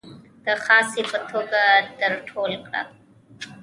د خاصې په توګه در ټول کړه.